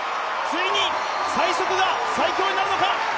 ついに最速が最強になるのか？